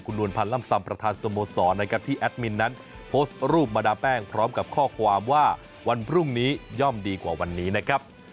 นวลพันธ์ล่ำซำประธานสโมสรนะครับที่แอดมินนั้นโพสต์รูปมาดามแป้งพร้อมกับข้อความว่าวันพรุ่งนี้ย่อมดีกว่าวันนี้นะครับ